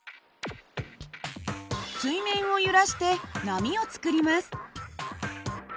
水面を揺らして波を作ります。